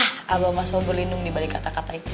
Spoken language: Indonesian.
ah abah masih berlindung dibalik kata kata itu